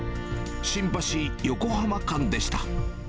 新橋・横浜間でした。